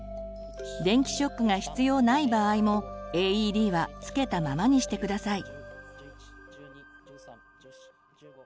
電気ショックが必要ない場合もＡＥＤはつけたままにしてください。